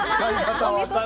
おみそ汁。